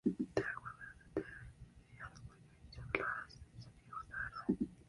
The earthquake also damaged the aqueduct which supplies the city with water.